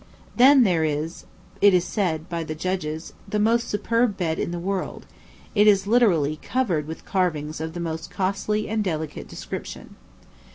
Then there is, it is said by judges, the most superb bed in the world; it is literally covered with carvings of the most costly and delicate description.